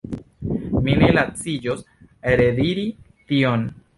Mi ne laciĝos rediri tion.